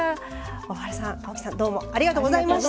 大原さん青木さんどうもありがとうございました。